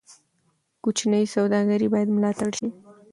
کوچني سوداګرۍ باید ملاتړ شي.